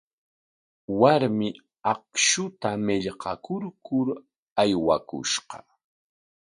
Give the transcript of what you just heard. Warmi akshuta millqakurkur aywakushqa.